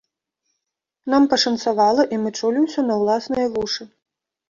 Нам пашанцавала і мы чулі ўсё на ўласныя вушы.